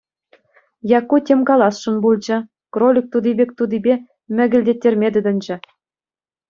Якку тем каласшӑн пулчӗ, кролик тути пек тутипе мӗкӗлтеттерме тытӑнчӗ.